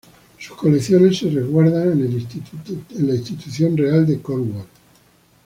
Sus colecciones se resguardan en la Institución Real de Cornwall.